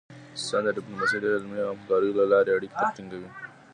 ساینس ډیپلوماسي د علمي همکاریو له لارې اړیکې ټینګوي